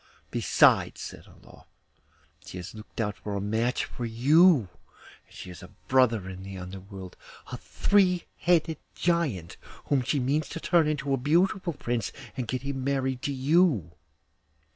Besides,' said Olof, 'she has looked out a match for you; she has a brother in the Underworld, a three headed Giant, whom she means to turn into a beautiful prince and get him married to you.